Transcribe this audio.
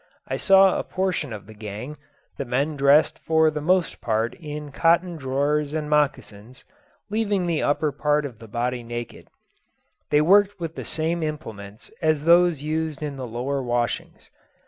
I saw a portion of the gang, the men dressed for the most part in cotton drawers and mocassins, leaving the upper part of the body naked. They worked with the same implements as those used in the lower washings.